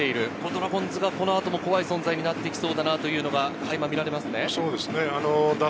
ドラゴンズがこの後、怖い存在になってきそうだというのが垣間見られますね。